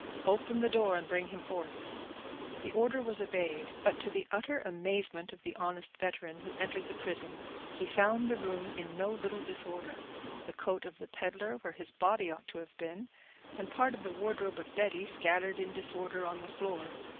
"Open the door and bring him forth." The order was obeyed; but to the utter amazement of the honest veteran who entered the prison, he found the room in no little disorder—the coat of the peddler where his body ought to have been, and part of the wardrobe of Betty scattered in disorder on the floor.